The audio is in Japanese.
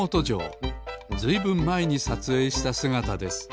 ずいぶんまえにさつえいしたすがたです